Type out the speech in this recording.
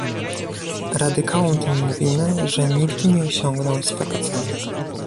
Radykałom tym mówimy, że nigdy nie osiągną swego celu